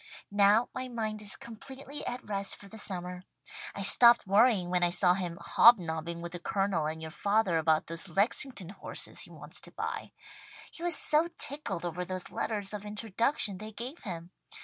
Now my mind is completely at rest for the summer. I stopped worrying when I saw him hobnobbing with the Colonel and your father about those Lexington horses he wants to buy. He was so tickled over those letters of introduction they gave him.